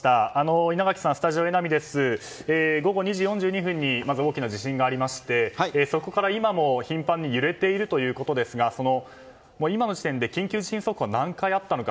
午後２時４２分にまず大きな地震がありましてそこから、今も頻繁に揺れているということですが今の時点で緊急地震速報が何回あったのか。